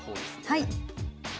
はい。